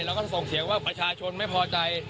เราก็ส่งเสียงว่าประชาชนไม่พอใจ